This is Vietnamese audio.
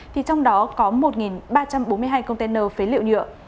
thì trong đó có một ba trăm bốn mươi hai container phế liệu nhựa